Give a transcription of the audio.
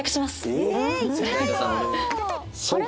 えっ？